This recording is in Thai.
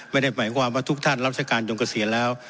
ไม่ได้หมายความว่าทุกท่านรับราชการจงเกษียณแล้ว